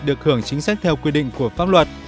được hưởng chính sách theo quy định của pháp luật